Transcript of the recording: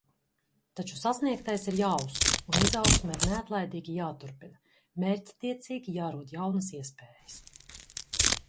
Taču sasniegtais ir jāuztur un izaugsme ir neatlaidīgi jāturpina, mērķtiecīgi jārod jaunas iespējas.